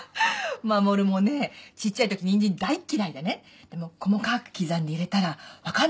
護もねちっちゃいときニンジン大嫌いでねでも細かく刻んで入れたら分かんないで食べちゃったの。